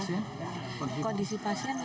ibu yang putranya barusan meninggal